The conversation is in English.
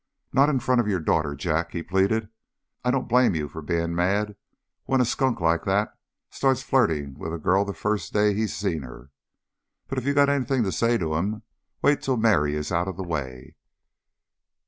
"Not in front of your daughter, Jack," he pleaded. "I don't blame you for being mad when a skunk like that starts flirting with a girl the first day he's seen her. But if you got anything to say to him, wait till Mary is out of the way.